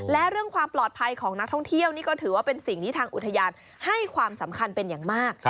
และเรื่องความปลอดภัยของนักท่องเที่ยวนี่ก็ถือว่าเป็นสิ่งที่ทางอุทยานให้ความสำคัญเป็นอย่างมาก